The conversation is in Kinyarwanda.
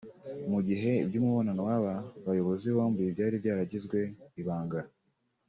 Mu gihe iby’umubonano w’aba bayobozi bombi byari byaragizwe ibanga